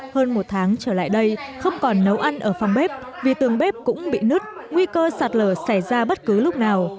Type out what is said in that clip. hơn một tháng trở lại đây không còn nấu ăn ở phòng bếp vì tường bếp cũng bị nứt nguy cơ sạt lở xảy ra bất cứ lúc nào